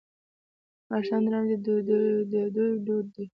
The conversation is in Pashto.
د مشرانو درناوی د دوی دود دی.